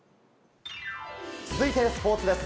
続いて、スポーツです。